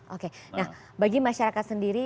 oke nah bagi masyarakat sendiri